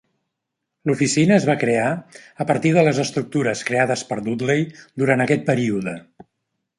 L'oficina es va crear a partir de les estructures creades per Dudley durant aquest període.